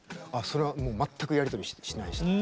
それは全くやり取りしてない。